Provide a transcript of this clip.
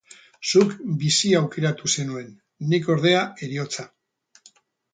Zuk bizia aukeratu zenuen; nik, ordea, heriotza.